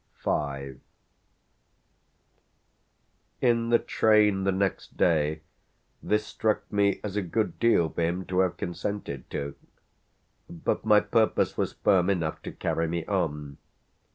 V In the train the next day this struck me as a good deal for him to have consented to; but my purpose was firm enough to carry me on.